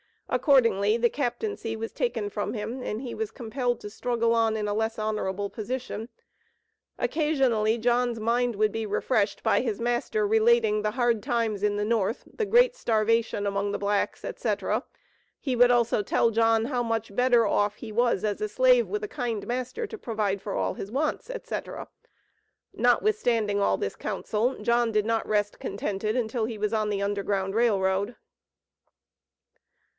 Accordingly, the captaincy was taken from him, and he was compelled to struggle on in a less honorable position. Occasionally John's mind would be refreshed by his master relating the hard times in the North, the great starvation among the blacks, etc. He would also tell John how much better off he was as a "slave with a kind master to provide for all his wants," etc. Notwithstanding all this counsel, John did not rest contented until he was on the Underground Rail Road.